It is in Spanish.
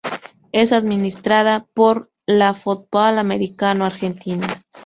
Es administrada por la Football Americano Argentina.